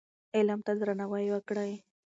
علم ته درناوی وکړئ.